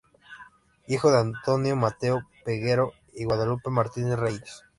Hijo de Antonio Mateo Peguero y Guadalupe Martínez Reyes.